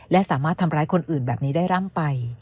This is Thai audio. และสามารถทำร้ายคนอื่นแบบนี้ได้ร่ำไป